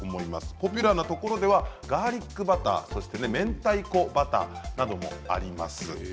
ポピュラーなところではガーリックバターめんたいこバターなどあります。